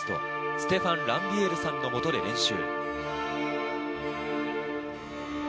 ステファン・ランビエールさんの下で練習。